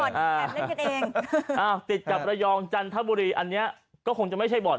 แอบเล่นกันเองติดกับระยองจันทบุรีอันนี้ก็คงจะไม่ใช่บ่อน